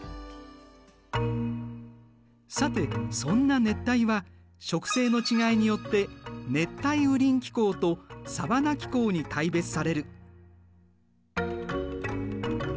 さてそんな熱帯は植生の違いによって熱帯雨林気候とサバナ気候に大別される。